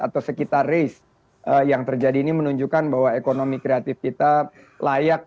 atau sekitar race yang terjadi ini menunjukkan bahwa ekonomi kreatif kita layak